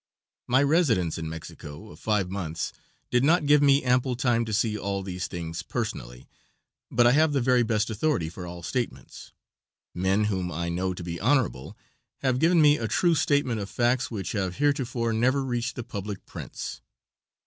My residence in Mexico of five months did not give me ample time to see all these things personally, but I have the very best authority for all statements. Men whom I know to be honorable have given me a true statement of facts which have heretofore never reached the public prints.